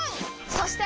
そして！